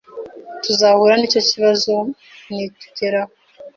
Tuzahura nicyo kibazo nitugeraho